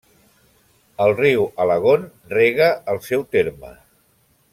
El riu Alagón rega el seu terme.